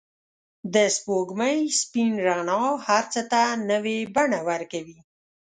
د سپوږمۍ سپین رڼا هر څه ته نوی بڼه ورکوي.